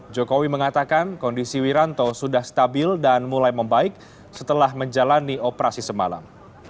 jokowi mengatakan kondisi wiranto sudah stabil dan mulai membaik setelah menjalani operasi semalam